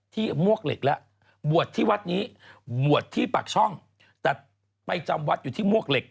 มวกเหล็กแล้วบวชที่วัดนี้บวชที่ปากช่องแต่ไปจำวัดอยู่ที่มวกเหล็ก